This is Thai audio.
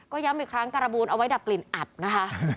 ก็ย้ำอีกครั้งการบูนเอาไว้ดับกลิ่นอับนะคะ